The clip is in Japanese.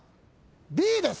Ｂです。